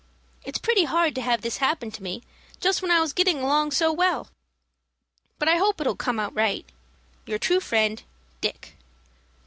It's pretty hard to have this happen to me just when I was getting along so well. But I hope it'll all come out right. Your true friend, "DICK.